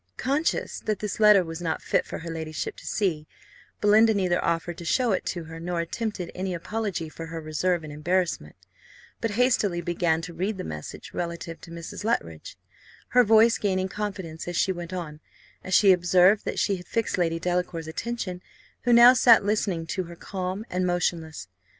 Conscious that this letter was not fit for her ladyship to see, Belinda neither offered to show it to her, nor attempted any apology for her reserve and embarrassment, but hastily began to read the message relative to Mrs. Luttridge; her voice gaining confidence as she went on, as she observed that she had fixed Lady Delacour's attention, who now sat listening to her, calm and motionless.